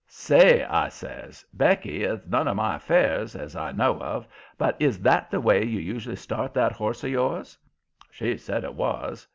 "Say," I says, "Becky, it's none of my affairs, as I know of, but is that the way you usually start that horse of yours?" She said it was.